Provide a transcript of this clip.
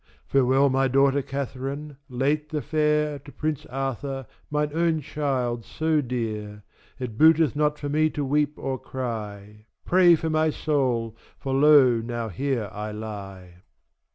Farewell my daughter Catharine, late the fare 12 To prince Arthur, mine own child so dear. It booteth not for me to weep or cry, Pray for my soul, for lo now here I lie.